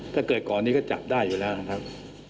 ถ้าเกิดก่อนนี้ก็จับได้อยู่แล้วนะครับ